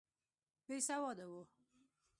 بېسواده وو.